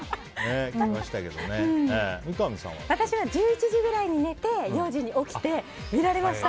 私は１１時ぐらいに寝て４時に起きて見られました！